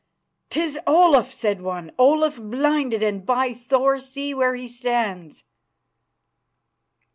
"'Tis Olaf," said one, "Olaf blinded, and, by Thor, see where he stands!"